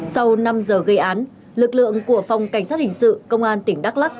sau năm giờ gây án lực lượng của phòng cảnh sát hình sự công an tỉnh đắk lắc